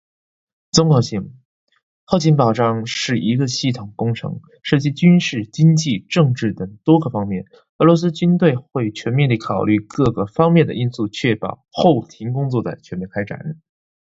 综合性：后勤保障是一个系统工程，涉及军事、经济、政治等多个方面。俄罗斯军队会全面考虑各个方面的因素，确保后勤工作的全面展开。